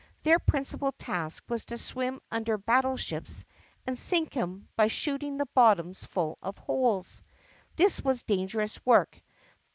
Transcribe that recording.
Their principal task was to swim under battle ships and sink 'em by shooting the bottoms full of holes. This was dangerous work.